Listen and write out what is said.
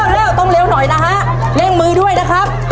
เร็วต้องเร็วหน่อยนะฮะเร่งมือด้วยนะครับ